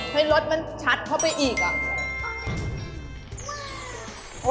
ให้รถมันชัดเข้าไปอีกอ่ะ